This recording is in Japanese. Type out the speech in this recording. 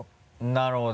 なるほど。